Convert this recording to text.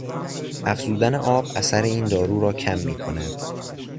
افزودن آب اثر این دارو را کم میکند.